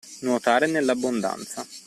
Nuotare nell'abbondanza.